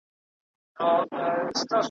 اوښکو د چا کله ګنډلی دی ګرېوان وطنه ,